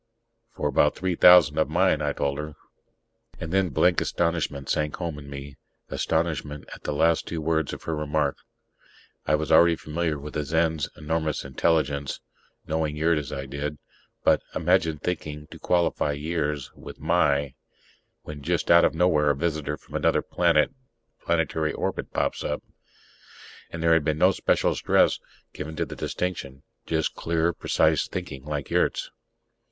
"For about three thousand of mine," I told her. And then blank astonishment sank home in me astonishment at the last two words of her remark. I was already familiar with the Zens' enormous intelligence, knowing Yurt as I did ... but imagine thinking to qualify years with my when just out of nowhere a visitor from another planetary orbit pops up! And there had been no special stress given the distinction, just clear, precise thinking, like Yurt's.